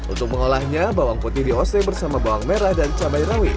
untuk mengolahnya bawang putih diose bersama bawang merah dan cabai rawit